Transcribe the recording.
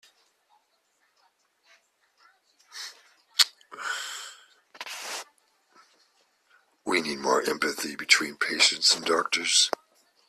We need more empathy between patients and doctors.